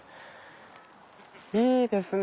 いいですね